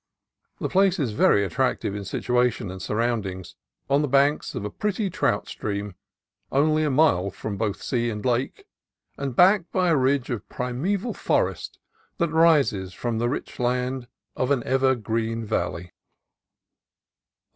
The place is very attractive in situation and surroundings, on the banks of a pretty trout stream, only a mile from both sea and lake, and backed by a ridge of primeval forest that rises from the rich land of an ever green valley.